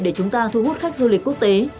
để chúng ta thu hút khách du lịch quốc tế